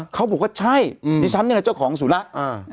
เขาบอกว่าใช่ดิฉันนี่แหละเจ้าของสุนัข